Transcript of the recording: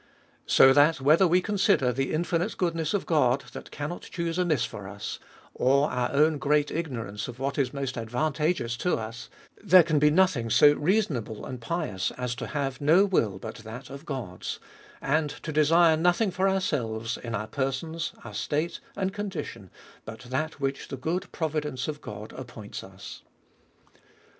So that, whether we consider the infinite goodness of Ood, that cannot choose amiss for us, or our own great ignorance of what is most advantageous to us, there can be no thing so reasonable and pious as to have no will but that of God's, and desire nothing for ourselves, in our persons, our state, and condition, but that which the good providence of God appoints us.